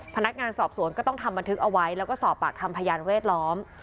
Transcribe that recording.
พนักงานสอบสวนก็ต้องทำบันทึกเอาไว้แล้วก็สอบปากคำพยานแวดล้อม